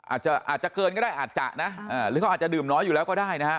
อาจจะอาจจะเกินก็ได้อาจจะนะหรือเขาอาจจะดื่มน้อยอยู่แล้วก็ได้นะฮะ